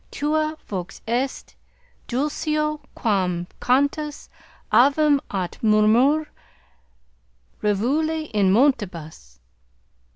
Tua vox est dulcior quam cantus avium aut murmur rivuli in montibus.